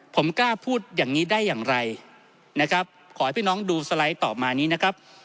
ผมกล้าพูดอย่างนี้ได้อย่างไรนะครับขอให้พี่น้องดูสไลด์ต่อมานี้นะครับ